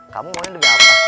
kamu mau demi apa